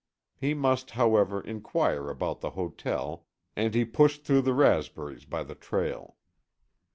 He must, however, inquire about the hotel, and he pushed through the raspberries by the trail.